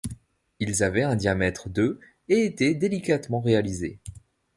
Ils avaient un diamètre de et étaient délicatement réalisés.